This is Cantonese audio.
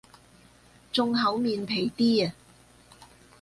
仲厚面皮啲